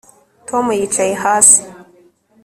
tom yicaye hasi